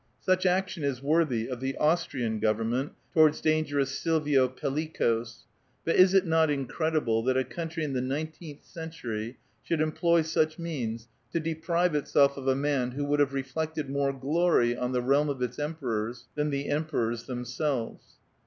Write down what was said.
Such action is worthy of the Austrian government towards dangerous Silvio Pellicos ; but is it not incredible that a country in the nineteenth century should employ such means to deprive itself of a man who would have reflected more glory on the realm of its emperoi s than the emperors themselves